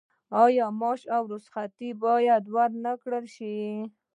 آیا معاش او رخصتي باید ورنکړل شي؟